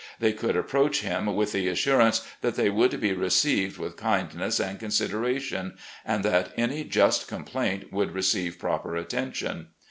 They could approach him with the assurance that they would be received with kindness and consideration, and that any just complaint would receive proper attention.